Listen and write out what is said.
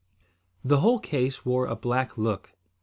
The whole case wore a black look.